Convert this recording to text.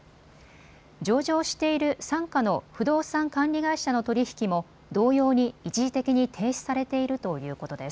上場している傘下の不動産管理会社の取り引きも同様に一時的に停止されているということです。